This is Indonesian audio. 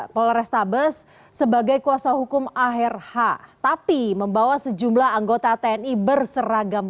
polores tabes sebagai kuasa hukum akhir hak tapi membawa sejumlah anggota tni berseragam